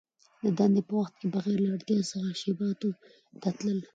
د دندي په وخت کي بغیر له اړتیا څخه شعباتو ته تلل .